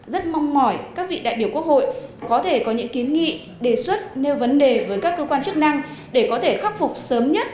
rất mong mỏi các vị đại biểu quốc hội có thể có những kiến nghị đề xuất nêu vấn đề với các cơ quan chức năng để có thể khắc phục sớm nhất